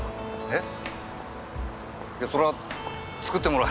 えっ？